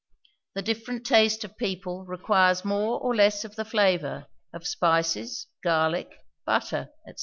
The different taste of people requires more or less of the flavor of spices, garlic, butter, &c.